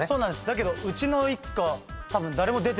だけどうちの一家たぶん。